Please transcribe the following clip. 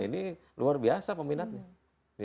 ini luar biasa peminatnya